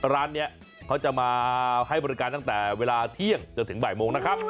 ร้านนี้เขาจะมาให้บริการตั้งแต่เวลาเที่ยงจนถึงบ่ายโมงนะครับ